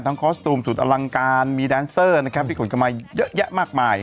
คอสตูมสุดอลังการมีแดนเซอร์นะครับที่ขนกันมาเยอะแยะมากมาย